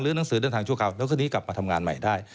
หนังสือเดินทางชั่วคราวแล้วก็นี้กลับมาทำงานใหม่ได้